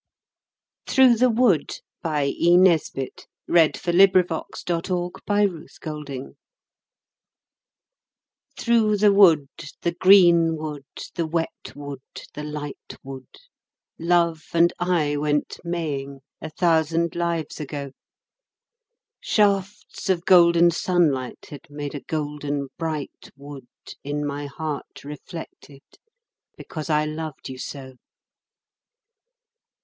You sowed the seed, but let the blossom die. ROSEMARY 51 THROUGH THE WOOD THKOUGH the wood, the green wood, the wet wood, the light wood, Love and I went maying a thousand lives ago ; Shafts of golden sunlight had made a golden bright wood In my heart reflected, because I loved you so.